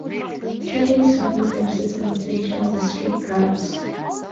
Kelly soon becomes the sensation of the street crowds.